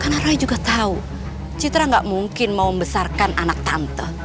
karena roy juga tau citra gak mungkin mau membesarkan anak tante